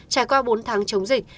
trải qua bốn tháng chống dịch